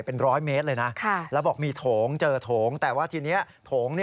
เป็นร้อยเมตรเลยนะแล้วบอกมีโถงเจอโถงแต่ว่าทีนี้โถง